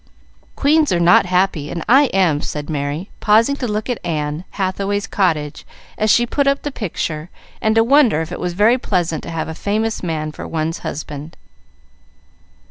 Queens are not happy, and I am," said Merry, pausing to look at Anne Hathaway's cottage as she put up the picture, and to wonder if it was very pleasant to have a famous man for one's husband.